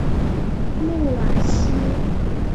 穆瓦西。